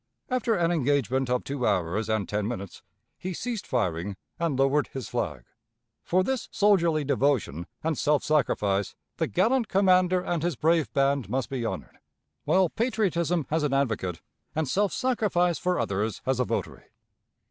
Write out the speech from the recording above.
After an engagement of two hours and ten minutes, he ceased firing and lowered his flag. For this soldierly devotion and self sacrifice the gallant commander and his brave band must be honored while patriotism has an advocate and self sacrifice for others has a votary.